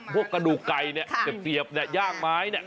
พวกกระดูกไก่เนี่ยเสียบเนี่ยย่างไม้เนี่ย